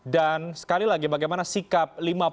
dan sekali lagi bagaimana sikap